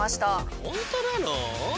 ホントなの？